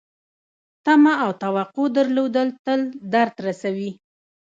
تمه او توقع درلودل تل درد رسوي .